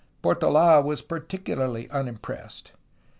Portold was particularly unimpressed.